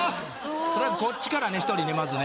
取りあえずこっちからね１人ねまずね。